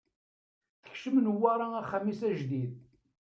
Tekcem Newwara axxam-is ajdid.